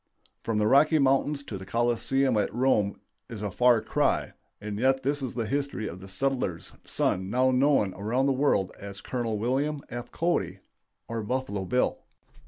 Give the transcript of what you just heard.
From the Rocky Mountains to the Colosseum at Rome is a "far cry," and yet that is the history of the settler's son now known around the world as Col. William F. Cody, or "Buffalo Bill."